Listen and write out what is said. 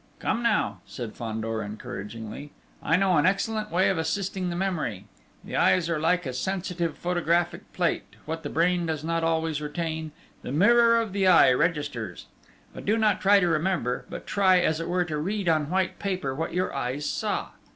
"Come now," said Fandor encouragingly, "I know an excellent way of assisting the memory. The eyes are like a sensitive photographic plate: what the brain does not always retain, the mirror of the eye registers: do not try to remember, but try, as it were, to read on white paper what your eyes saw!..."